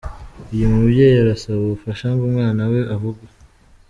Uyu mubyeyi arasaba ubufasha ngo umwana we avugwe.